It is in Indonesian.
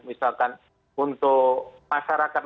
misalkan untuk masyarakat